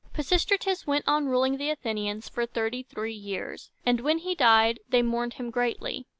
Pisistratus went on ruling the Athenians for thirty three years, and when he died they mourned him greatly.